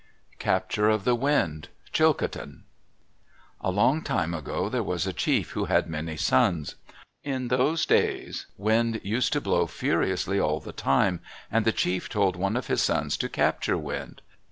CAPTURE OF WIND Chilcotin A long time ago there was a chief who had many sons. In those days Wind used to blow furiously all the time, and the chief told one of his sons to capture Wind.